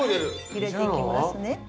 入れていきますね